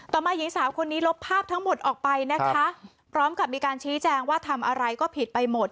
มาหญิงสาวคนนี้ลบภาพทั้งหมดออกไปนะคะพร้อมกับมีการชี้แจงว่าทำอะไรก็ผิดไปหมด